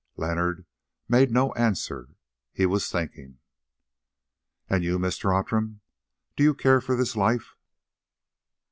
Leonard made no answer; he was thinking. "And you, Mr. Outram, do you care for this life?"